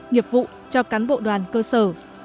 nghiệp vụ cho cán bộ đoàn cơ sở